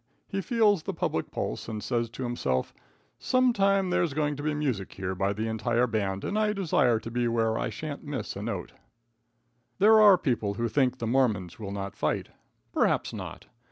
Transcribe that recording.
He feels the public pulse, and says to himself: "Sometime there's going to be music here by the entire band, and I desire to be where I shan't miss a note." There are people who think the Mormons will not fight. Perhaps not.